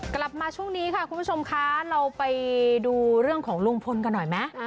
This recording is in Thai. กลับมาช่วงนี้ค่ะคุณผู้ชมคะเราไปดูเรื่องของลุงพลกันหน่อยไหม